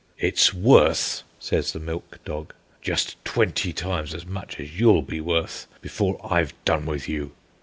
"It's worth," says the milk dog, "just twenty times as much as you'll be worth before I've done with you."